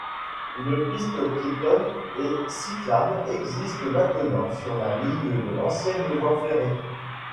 Une piste piétonne et cyclable existent maintenant sur la ligne de l'ancienne voie ferrée.